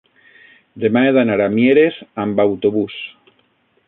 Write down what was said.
demà he d'anar a Mieres amb autobús.